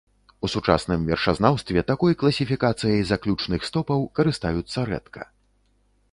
У сучасным вершазнаўстве такой класіфікацыяй заключных стопаў карыстаюцца рэдка.